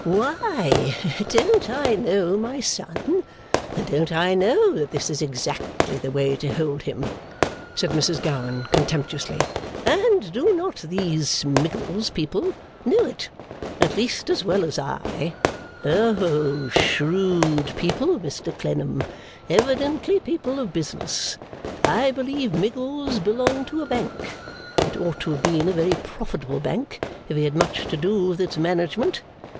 'Why, don't I know my son, and don't I know that this is exactly the way to hold him?' said Mrs Gowan, contemptuously; 'and do not these Miggles people know it, at least as well as I? Oh, shrewd people, Mr Clennam: evidently people of business! I believe Miggles belonged to a Bank. It ought to have been a very profitable Bank, if he had much to do with its management.